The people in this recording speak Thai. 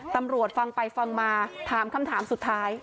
ฟังไปฟังมาถามคำถามสุดท้าย